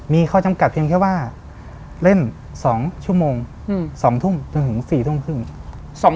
มีข้อจำกัดเพียงแค่ว่าเล่น๒ชั่วโมง๒ทุ่มจนถึง๔ทุ่มครึ่ง